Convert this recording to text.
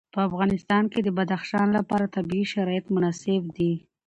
په افغانستان کې د بدخشان لپاره طبیعي شرایط مناسب دي.